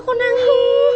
kita agak kemas